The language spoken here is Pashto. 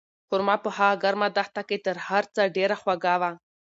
خورما په هغه ګرمه دښته کې تر هر څه ډېره خوږه وه.